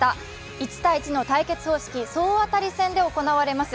１対１の対決方式、総当たり戦で行われます。